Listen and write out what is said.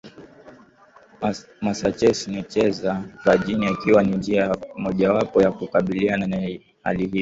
massachusetts newcheze na virginia ikiwa ni njia moja wapo ya kukabiliana na hali hiyo